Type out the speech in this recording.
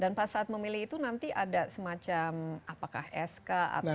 dan pas saat memilih itu nanti ada semacam apakah sk atau dan lain lain